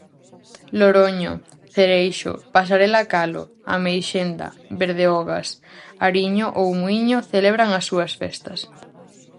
Loroño, Cereixo, Pasarela-Calo, Ameixenda, Berdeogas, Ariño ou Muíño celebran as súas festas.